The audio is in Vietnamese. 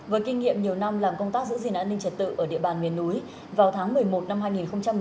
với kinh nghiệm nhiều năm làm công tác giữ gìn an ninh trật tự ở địa bàn miền núi vào tháng một mươi một năm hai nghìn một mươi chín